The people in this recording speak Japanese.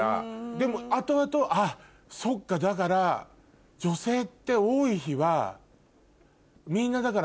でも後々あっそっかだから女性って多い日はみんなだから。